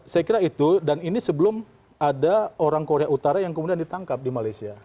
saya kira itu dan ini sebelum ada orang korea utara yang kemudian ditangkap di malaysia